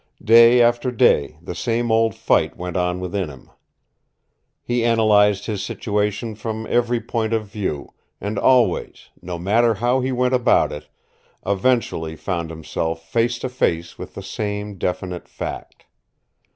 Day after day the same old fight went on within him. He analyzed his situation from every point of view, and always no matter how he went about it eventually found himself face to face with the same definite fact.